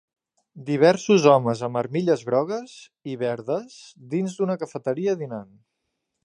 Diversos homes amb armilles grogues i verdes dins d'una cafeteria dinant.